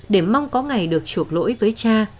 để mong có ngày được chuộc lỗi với cha